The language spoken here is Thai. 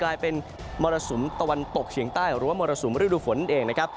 กลายเป็นมรสุมตะวันตกเฉียงใต้หรือว่ามรสุมฤดูฝนนั่นเองนะครับ